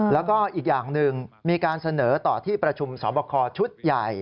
แล้วก็อีกอย่างหนึ่งมีการเสนอต่อที่ประชุมสอบคอชุดใหญ่